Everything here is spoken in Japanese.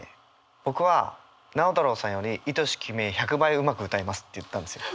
「僕は直太朗さんより『愛し君へ』１００倍上手く歌えます」って言ったんですよ。